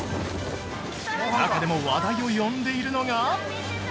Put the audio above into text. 中でも話題を呼んでいるのが？